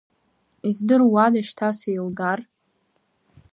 Издыруада шьҭа сеилгар?!